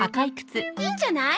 いいんじゃない？